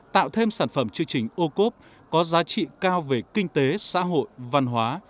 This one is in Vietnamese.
tạo thêm sản phẩm chương trình ô cốp có giá trị cao về kinh tế xã hội văn hóa